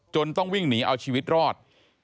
ต้องวิ่งหนีเอาชีวิตรอด